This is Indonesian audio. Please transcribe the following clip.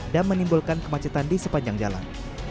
dan menimbulkan kemacetan di sepanjang jalan